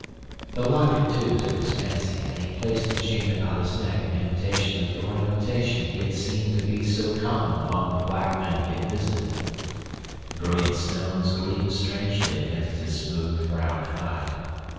The locket, too, took his fancy, and he placed the chain about his neck in imitation of the ornamentation he had seen to be so common among the black men he had visited. The brilliant stones gleamed strangely against his smooth, brown hide.